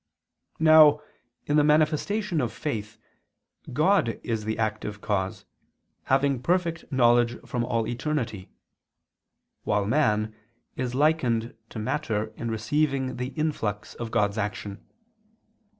Now in the manifestation of faith, God is the active cause, having perfect knowledge from all eternity; while man is likened to matter in receiving the influx of God's action.